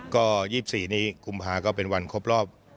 ก็๒๔นี้กุมภาก็เป็นวันครบรอบ